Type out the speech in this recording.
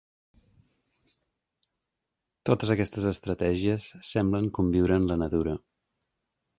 Totes aquestes estratègies semblen conviure en la natura.